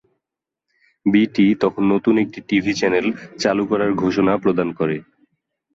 বিটি তখন নতুন একটি টিভি চ্যানেল চালু করার ঘোষণা প্রদান করে।